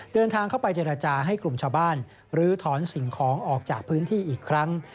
เดินทางเข้าไปเจรจาให้กลุ่มชาวบ้านลื้อถอนสิ่งของออกจากพื้นที่อีกครั้ง